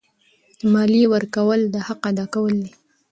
د مالیې ورکول د حق ادا کول دي.